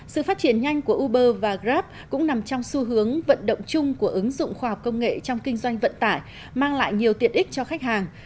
sự phát triển nhanh của uber và grab cũng nằm trong xu hướng vận động chung của ứng dụng khoa học công nghệ trong kinh doanh vận tải mang lại nhiều tiện ích cho khách hàng